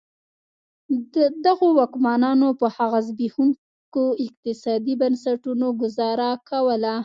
دغو واکمنانو په هغه زبېښونکو اقتصادي بنسټونو ګوزاره کوله.